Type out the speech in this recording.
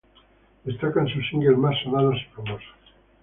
Destacan sus singles más sonados y famosos.